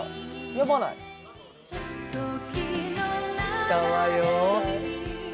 きたわよ。